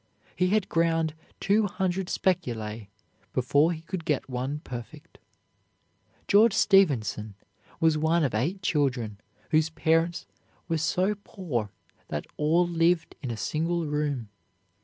He had ground two hundred specula before he could get one perfect. George Stephenson was one of eight children whose parents were so poor that all lived in a single room.